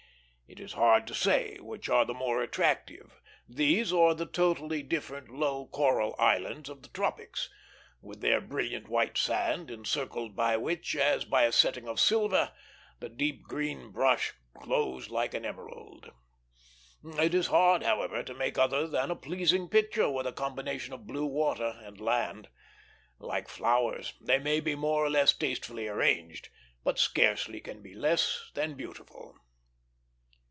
It is hard to say which are the more attractive, these or the totally different low coral islands of the tropics, with their brilliant white sand, encircled by which, as by a setting of silver, the deep green brush glows like an emerald. It is hard, however, to make other than a pleasing picture with a combination of blue water and land. Like flowers, they may be more or less tastefully arranged, but scarcely can be less than beautiful.